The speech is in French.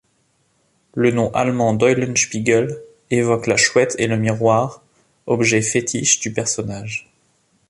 Le nom allemand d’Eulenspiegel évoque la chouette et le miroir, objets fétiches du personnage.